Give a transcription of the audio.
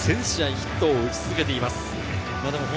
ヒットを打ち続けています。